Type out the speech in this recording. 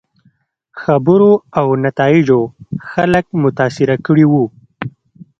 خبرو او نتایجو خلک متاثره کړي وو.